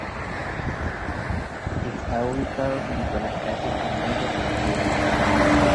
Está ubicada junto a la calle Canal de San Diego.